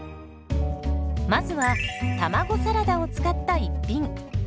まずは卵サラダを使った一品。